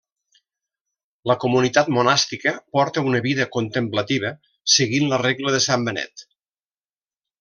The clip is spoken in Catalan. La comunitat monàstica porta una vida contemplativa seguint la Regla de sant Benet.